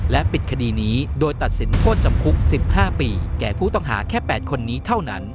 ปิดคดีนี้โดยตัดสินโทษจำคุก๑๕ปีแก่ผู้ต้องหาแค่๘คนนี้เท่านั้น